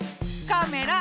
カメラ！